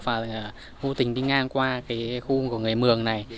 và vô tình đi ngang qua cái khu của người mường này